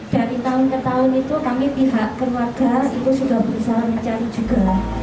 dari tahun ke tahun itu kami pihak keluarga itu sudah berusaha mencari juga